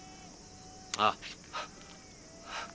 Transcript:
ああ。